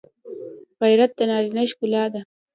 غیرت د نارینه ښکلا ده